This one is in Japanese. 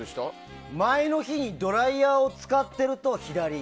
前の日にドライヤーを使ってると左。